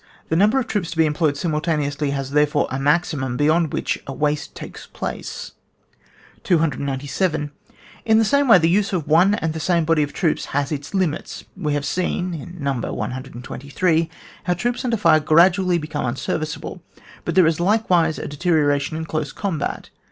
The number of troops to be em ployed simultaneously has, therefore, a maximum, beyond which a waste takes place. 297. In the same way the use of one and the same body of troops has its limits. We have seen, in No. 123, how troops under fire gradually become un serviceable ; but there is likewise a dete« rioration in close combat.